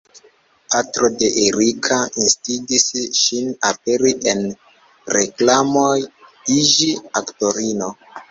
Patro de Erika instigis ŝin aperi en reklamoj, iĝi aktorino.